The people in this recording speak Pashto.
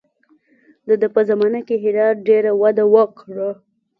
د ده په زمانه کې هرات ډېره وده وکړه.